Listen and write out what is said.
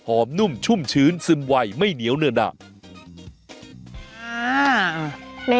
นุ่มชุ่มชื้นซึมไวไม่เหนียวเนื้อหนา